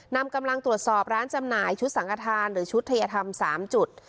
นำกำลังตรวจสอบร้านจำหน่ายชุดสังฆฐานหรือชุดทัยธรรม๓จุด